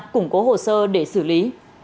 củng cố hồ sơ để xử lý